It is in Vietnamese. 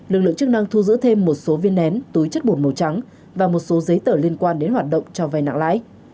lực lượng chức năng thu giữ thêm một số viên nén túi chất bột màu trắng và một số giấy tờ liên quan đến hoạt động cho vay nặng lãi